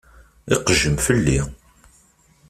Iqejjem fell-i.